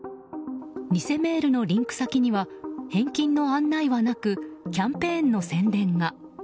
偽メールのリンク先には返金の案内はなくキャンペーンの宣伝が。